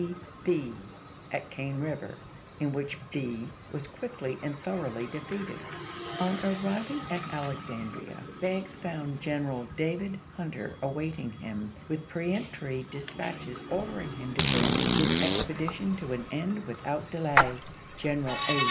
P. Bee at Cane River, in which Bee was quickly and thoroughly defeated. On arriving at Alexandria, Banks found General David Hunter awaiting him with peremptory dis patches ordering him to bring his expedition to an end without delay. General A.